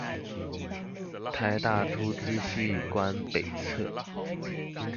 臺大圖資系館北側